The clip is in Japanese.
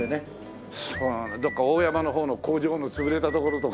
どこか大山の方の工場の潰れたところとか。